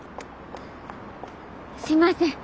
すいません。